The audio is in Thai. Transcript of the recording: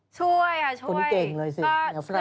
ช่วยคนเก่งเลยสิ